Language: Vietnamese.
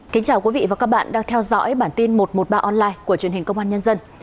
kính chào quý vị và các bạn đang theo dõi bản tin một trăm một mươi ba online của truyền hình công an nhân dân